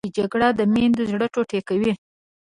جګړه د میندو زړه ټوټې کوي